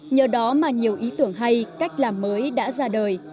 nhờ đó mà nhiều ý tưởng hay cách làm mới đã ra đời